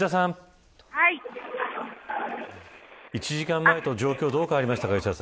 １時間前と状況はどう変わりましたか。